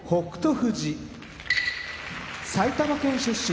富士埼玉県出身